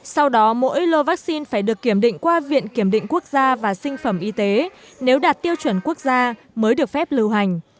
sau đó mỗi lô vaccine phải được kiểm định qua viện kiểm định quốc gia và sinh phẩm y tế nếu đạt tiêu chuẩn quốc gia mới được phép lưu hành